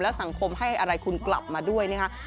สังคมให้อะไรคุณกลับมาด้วยนะคะ